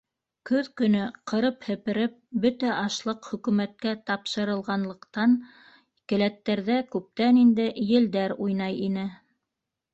Көҙ көнө ҡырып-һепереп бөтә ашлыҡ хөкүмәткә тапшырылғанлыҡтан, келәттәрҙә күптән инде елдәр уйнай ине.